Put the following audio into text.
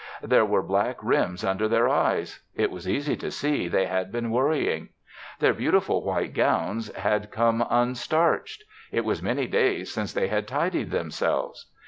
There were black rims under their eyes; it was easy to see they had been worrying. Their beautiful white gowns had come unstarched; it was many days since they had tidied themselves.